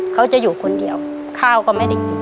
เขาจะอยู่คนเดียวข้าวก็ไม่ได้กิน